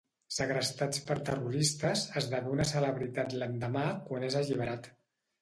Segrestats per terroristes, esdevé una celebritat l'endemà quan és alliberat.